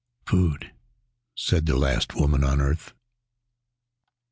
"Food!" said the last woman on earth.